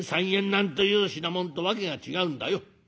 なんという品物とわけが違うんだよ。